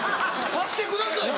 させてくださいよ！